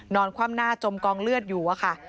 คว่ำหน้าจมกองเลือดอยู่อะค่ะ